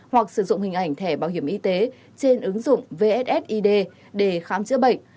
hoặc sử dụng hình ảnh thẻ bảo hiểm y tế trên ứng dụng vssid để khám chữa bệnh